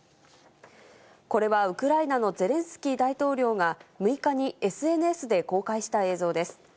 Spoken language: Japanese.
これはウクライナのゼレンスキー大統領が、６日にＳＮＳで公開した映像です。